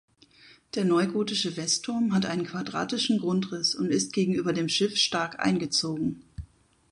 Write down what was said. Der neugotische Westturm hat einen quadratischen Grundriss und ist gegenüber dem Schiff stark eingezogen.